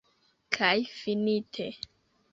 Kaj finite.